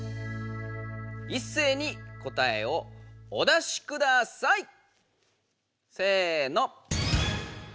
いっせいに答えをお出しください！せの！